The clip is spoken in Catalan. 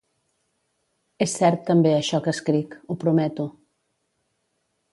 És cert també això que escric, ho prometo.